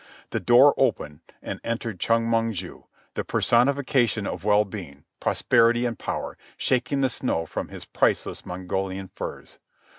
The doors opened, and entered Chong Mong ju, the personification of well being, prosperity and power, shaking the snow from his priceless Mongolian furs.